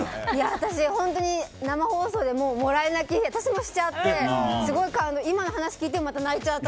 私、本当に生放送でもらい泣き私もしちゃってすごい感動して今の話を聞いてまた泣いちゃった。